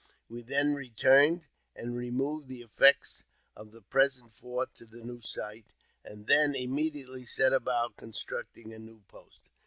We then returned, and removed the effects of the present iOrt to the new site, and then immediately set about construct ing a new post.